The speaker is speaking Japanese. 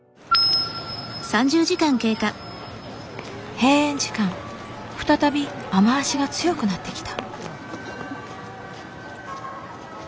閉園時間再び雨足が強くなってきた。